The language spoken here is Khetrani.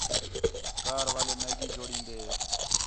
کار والے میگی جوڑین٘دے